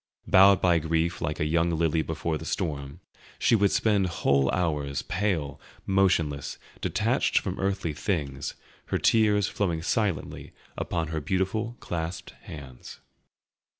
Bowed by grief like a young lily before the storm, she would spend whole hours, pale, motionless, detached from earthly things, her tears flowing silently upon her beautiful clasped hands.